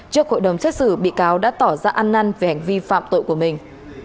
trước hội đồng xét xử bị cáo đã tỏ ra ăn năn về hành vi phạm tội của mình